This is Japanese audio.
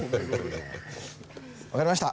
分かりました。